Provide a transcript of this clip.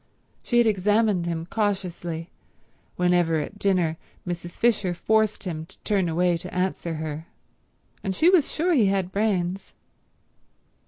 She had examined him cautiously whenever at dinner Mrs. Fisher forced him to turn away to answer her, and she was sure he had brains.